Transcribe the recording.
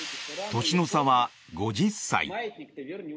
年の差は５０歳。